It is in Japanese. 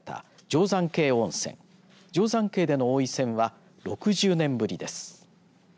定山渓での王位戦は６０年ぶりです。